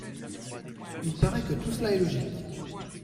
Il paraît que tout cela est logique.